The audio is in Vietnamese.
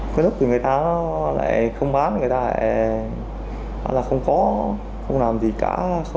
có lúc người ta lại không bán người ta lại không có không làm gì cả